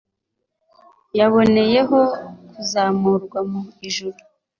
yaboneyeho kuzamurwa mu ijuru